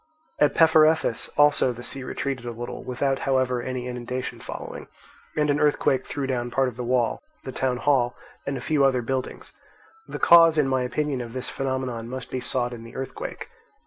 At Peparethus also the sea retreated a little, without however any inundation following; and an earthquake threw down part of the wall, the town hall, and a few other buildings. The cause, in my opinion, of this phenomenon must be sought in the earthquake.